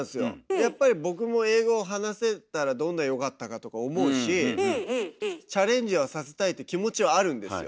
やっぱり僕も英語を話せたらどんなによかったかとか思うしチャレンジはさせたいって気持ちはあるんですよ。